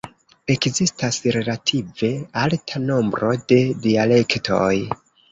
Ekzistas relative alta nombro de dialektoj.